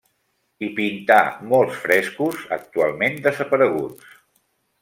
Hi pintà molts frescos, actualment desapareguts.